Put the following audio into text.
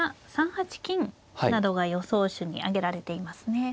３八金などが予想手に挙げられていますね。